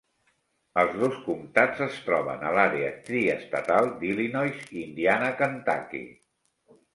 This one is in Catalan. Els dos comtats es troben a l'àrea triestatal d'Illinois-Indiana-Kentucky.